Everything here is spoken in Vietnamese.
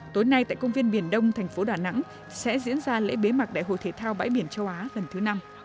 tối nay tại công viên biển đông thành phố đà nẵng sẽ diễn ra lễ bế mạc đại hội thể thao bãi biển châu á lần thứ năm